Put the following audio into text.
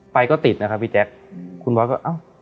ไปก็ติดนะครับพี่แจ๊คคุณบอสก็เอ้า